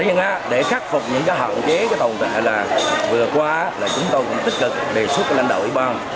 nhưng để khắc phục những hạn chế tồn tại là vừa qua là chúng tôi cũng tích cực đề xuất lãnh đạo ủy ban